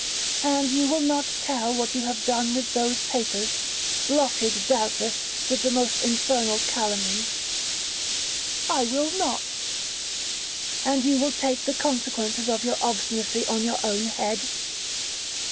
'And you will not tell what you have done with those papers, blotted, doubtless, with the most infernal calumnies?' 'I will not.' 'And you will take the consequences of your obstinacy on your own head?'